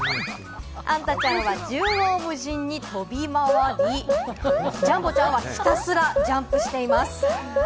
あんたちゃんは縦横無尽に飛び回り、ジャンボちゃんはひたすらジャンプしています。